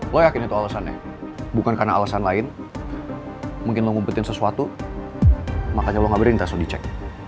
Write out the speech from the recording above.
lo yakin itu alasannya bukan karena alasan lain mungkin mau ngumpetin sesuatu makanya lo gak berani minta untuk dicek